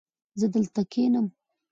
زه دلته کښېنم